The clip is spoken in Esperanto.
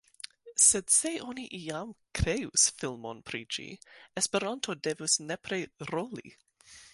Sed se oni iam kreus filmon pri ĝi, Esperanto devus nepre roli.